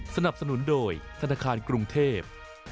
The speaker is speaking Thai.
สนับสนุนโดยธนาคารกรุงเทพ